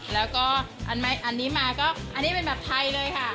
แล้วก็อันนี้มาก็อันนี้เป็นแบบไทยเลยค่ะ